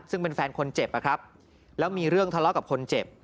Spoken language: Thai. ซึ่งเป็นแฟนคนเจ็บนะครับแล้วมีเรื่องทะเลาะกับคนเจ็บ